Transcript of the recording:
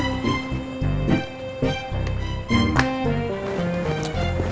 jalan dulu ya